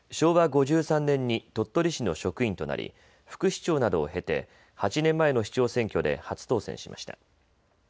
昭和５３年に鳥取市の職員となり副市長などを経て８年前の市長選挙で初当選しました。